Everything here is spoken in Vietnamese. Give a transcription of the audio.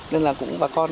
nên là cũng bà con